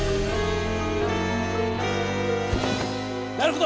なるほど！